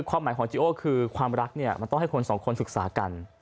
ความหมายของจีโอคือความรักเนี่ยมันต้องให้คนสองคนศึกษากัน